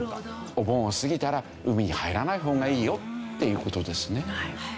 お盆を過ぎたら海に入らない方がいいよっていう事ですね。